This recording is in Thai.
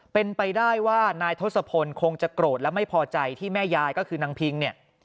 เป็นไปได้ว่านายทศพลคงจะโกรธและไม่พอใจที่แม่ยายก็คือนางพิงเนี่ย